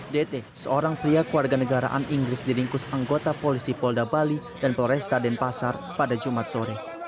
dt seorang pria kewarganegaraan inggris diringkus anggota polisi polda bali dan polresta denpasar pada jumat sore